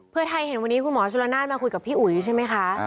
เพื่อไทยเห็นวันนี้คุณหมอชุลนานมาคุยกับพี่อุ๋ยใช่ไหมคะ